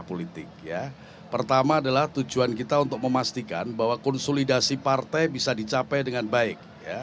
politik ya pertama adalah tujuan kita untuk memastikan bahwa konsolidasi partai bisa dicapai dengan baik